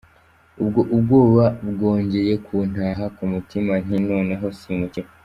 Ubwo ubwoba bwongeye kuntaha, ku mutima nti noneho simukira.